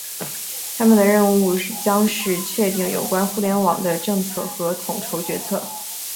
他们的任务将是确定有关于互联网的政策和统筹决策。